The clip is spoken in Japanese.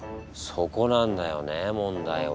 そこなんだよね問題は。